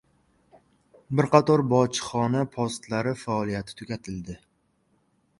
Bir qator bojxona postlari faoliyati tugatildi